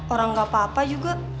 orang gak apa apa juga